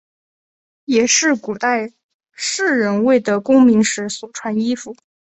也是古代士人未得功名时所穿衣服。